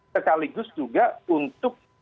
sekaligus juga untuk